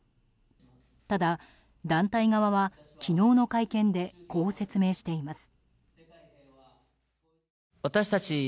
ただ団体側は昨日の会見でこう説明しています。